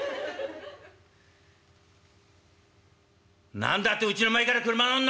「何だってうちの前から俥乗んの！」。